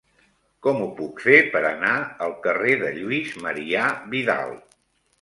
Com ho puc fer per anar al carrer de Lluís Marià Vidal?